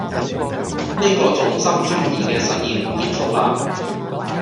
呢個重心轉移嘅實驗結束啦